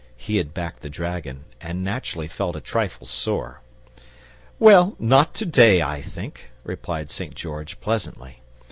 He had backed the dragon, and naturally felt a trifle sore. "Well, not TO DAY, I think," replied St. George, pleasantly.